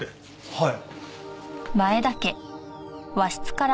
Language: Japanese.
はい。